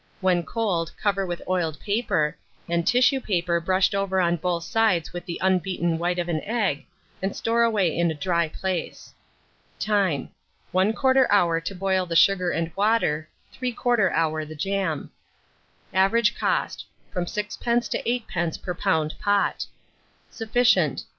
When cold, cover with oiled paper, and tissue paper brushed over on both sides with the unbeaten white of an egg, and store away in a dry place. Time. 1/4 hour to boil the sugar and water, 3/4 hour the jam. Average cost, from 6d. to 8d. per lb. pot. Sufficient.